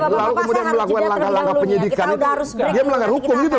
lalu kemudian melakukan langkah langkah penyidikan itu harus berhubung itu